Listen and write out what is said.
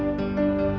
ate bisa menikah